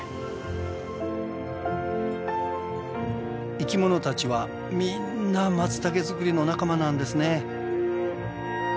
生き物たちはみんなマツタケ作りの仲間なんですね。